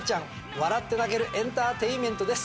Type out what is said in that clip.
笑って泣けるエンターテインメントです。